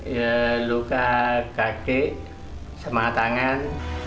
ya luka kaki sama tangan